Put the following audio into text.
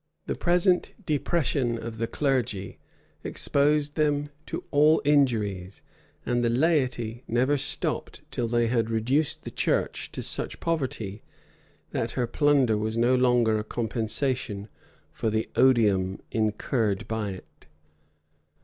The present depression of the clergy exposed them to all injuries; and the laity never stopped till they had reduced the church to such poverty, that her plunder was no longer a compensation for the odium incurred by it.